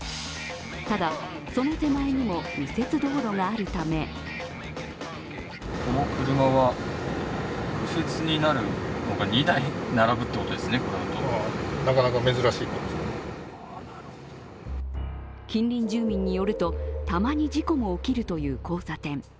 ただ、その手前にも右折道路があるため近隣住民によると、たまに事故も起きるという交差点。